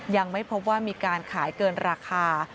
ยังไม่พบว่ามีการขายเกินราคา